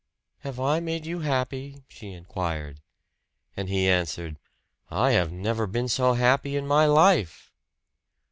"Have I made you happy?" she inquired. And he answered, "I have never been so happy in my life."